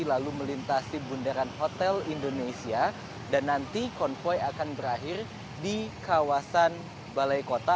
lalu melintasi bundaran hotel indonesia dan nanti konvoy akan berakhir di kawasan balai kota